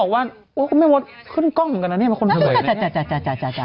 ถือว่าเขาบอกว่าโอ้ไม่ว่าขึ้นกล้องเหมือนกันนะ